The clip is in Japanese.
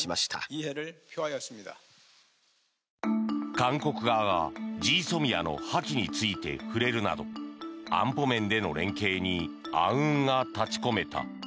韓国側がＧＳＯＭＩＡの破棄について触れるなど安保面での連携に暗雲が立ち込めた。